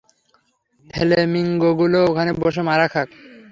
ফ্লেমিঙ্গোগুলো ওখানে বসে মারা খাক!